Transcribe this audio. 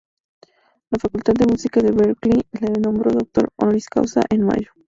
La Facultad de Música de Berklee le nombró "doctor honoris causa" en mayo.